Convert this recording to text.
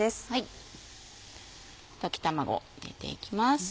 溶き卵を入れていきます。